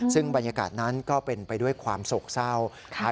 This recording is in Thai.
ซึ่งบรรยากาศนั้นก็เป็นไปด้วยความโศกเศร้า